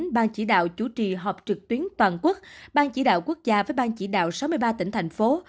ban chỉ đạo chủ trì họp trực tuyến toàn quốc ban chỉ đạo quốc gia với ban chỉ đạo sáu mươi ba tỉnh thành phố